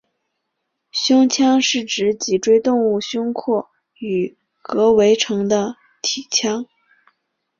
胸腔是指脊椎动物胸廓与膈围成的体腔。